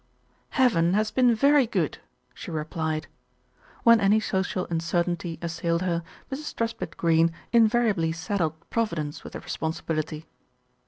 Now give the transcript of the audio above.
"Heaven has been very good," she replied. When any social uncertainty assailed her, Mrs. Truspitt Greene invariably saddled Providence with the responsibility.